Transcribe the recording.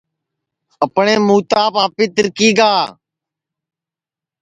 اپٹؔیں موتام آپی تِرکی گا